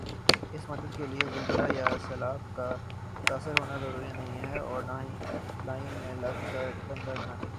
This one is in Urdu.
اس مدد کیلئے زلزلہ یا سیلاب کا متاثر ہونا ضروری نہیں ھے اور نہ ہی لائن میں لگ کر ڈانڈے کھانے کی ضرورت ھے